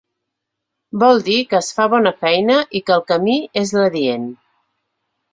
Vol dir que es fa bona feina i que el camí és l’adient.